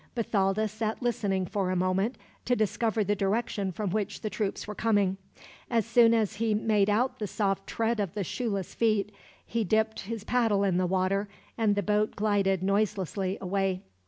Bathalda sat listening for a moment, to discover the direction from which the troops were coming. As soon as he made out the soft tread of the shoeless feet, he dipped his paddle in the water, and the boat glided noiselessly away.